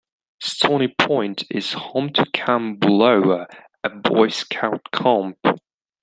Stony Point is home to Camp Bullowa, a Boy Scout camp.